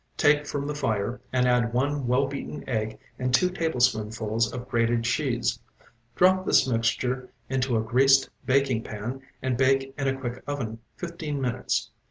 Take from the fire and add one well beaten egg and two tablespoonfuls of grated cheese. Drop this mixture into a greased baking pan, and bake in a quick oven fifteen minutes.